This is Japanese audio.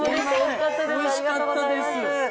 美味しかったです。